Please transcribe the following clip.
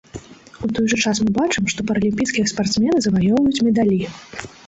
У той жа час мы бачым, што паралімпійскія спартсмены заваёўваюць медалі.